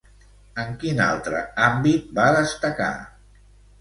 En quin altre àmbit va destacar?